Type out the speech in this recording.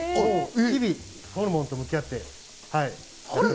日々ホルモンと向き合って。